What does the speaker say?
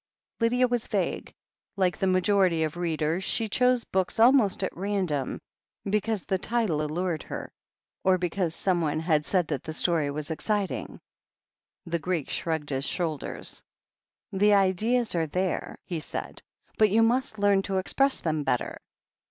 Lydia was vague. Like the majority of readers, she chose books almost at random, because the title allured her, or because someone had said that the story was exciting. The Greek shrugged his shoulders. "The ideas are there," he said, "but you must learn to express them better."